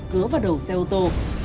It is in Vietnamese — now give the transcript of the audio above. cứa vào đầu xe ô tô